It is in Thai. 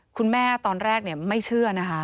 คุณแม่ตอนแรกไม่เชื่อนะคะ